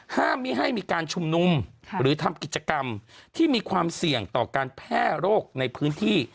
ห้ามไม่ให้มีการชุมนุมหรือทำกิจกรรมที่มีความเสี่ยงต่อการแพร่โรคในพื้นที่